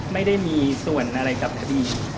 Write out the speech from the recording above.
ไม่ได้มีส่วนอะไรกับคดี